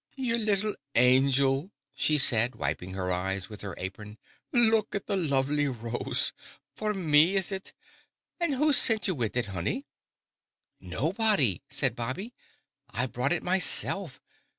"Ye little angil!" she said, wiping her eyes with her apron. "Look at the lovely rose! For me, is it? And who sint ye wid it, honey?" "Nobody!" said Bobby. "I brought it myself.